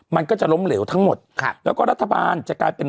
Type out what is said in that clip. มันก็จะล้มเหลวทั้งหมดแล้วก็รัฐบาลจะกลายเป็น